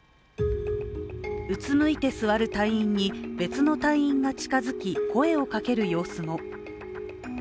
うつむいて座る隊員に、別の隊員が近づき声をかける様子も。